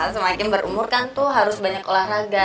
semakin berumur kan tuh harus banyak olahraga